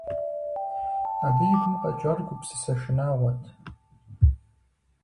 Абы и гум къэкӀар гупсысэ шынагъуэт.